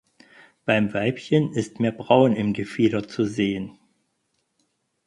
Beim Weibchen ist mehr Braun im Gefieder zu sehen.